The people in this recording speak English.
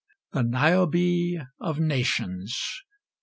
The Niobe of nations!